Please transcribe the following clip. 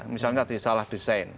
misalnya salah desain